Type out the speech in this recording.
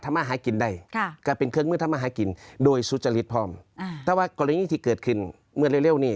แต่ตอนนี้ที่เกิดขึ้น